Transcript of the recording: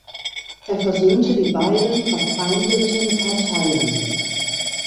Er versöhnte die beiden verfeindeten Parteien.